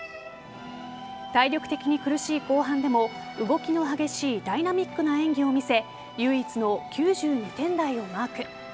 体力的に苦しい後半でも動きの激しいダイナミックな演技を見せ唯一の９２点台をマーク。